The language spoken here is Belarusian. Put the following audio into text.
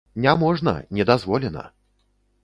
Не можна, не дазволена.